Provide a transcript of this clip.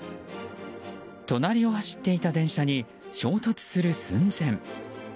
隣を走っていた電車に衝突する寸前。